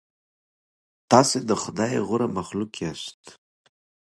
تاسې د خدای غوره مخلوق یاست.